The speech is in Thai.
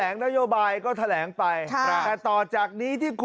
นโยบายกรีดคมทีเดียว